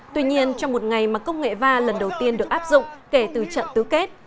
tuy nhiên trong một ngày mà công nghệ va lần đầu tiên được áp dụng kể từ trận tứ kết